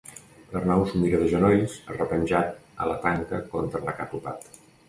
L'Arnau s'ho mira de genolls, arrepenjat a la tanca contra la que ha topat.